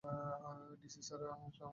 DC sir আসলে আমাকে প্যারা দিচ্ছে।